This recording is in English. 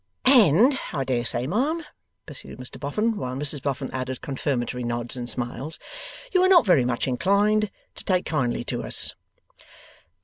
'And I dare say, ma'am,' pursued Mr Boffin, while Mrs Boffin added confirmatory nods and smiles, 'you are not very much inclined to take kindly to us?